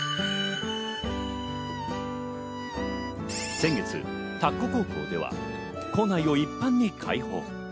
先月、田子高校では校内を一般に開放。